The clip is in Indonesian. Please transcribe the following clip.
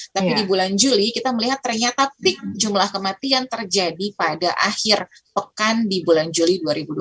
tapi di bulan juli kita melihat ternyata peak jumlah kematian terjadi pada akhir pekan di bulan juli dua ribu dua puluh